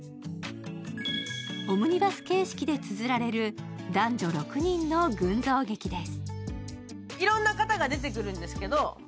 オムニバス形式でつづられる男女６人の群像劇です。